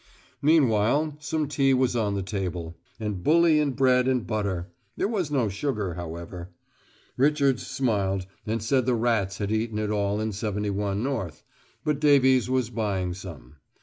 Meanwhile some tea was on the table, and bully and bread and butter; there was no sugar, however. Richards smiled and said the rats had eaten it all in 71 North, but Davies was buying some.